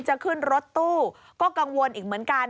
จะขึ้นรถตู้ก็กังวลอีกเหมือนกัน